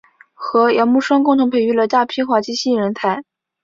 和姚慕双共同培育了大批滑稽戏人才。